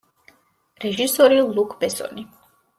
რეჟისორი ლუკ ბესონი.